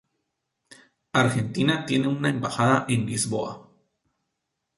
Argentina tiene una embajada en Lisboa.